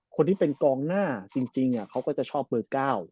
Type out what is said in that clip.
คนที่เป็นกองหน้าจะชอบเบอร์๙